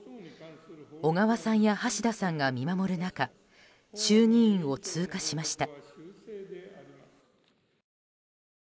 小川さんや橋田さんが見守る中衆議院を通過しました。